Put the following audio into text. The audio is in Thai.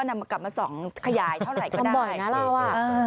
ทำบ่อยนะเราอ่ะ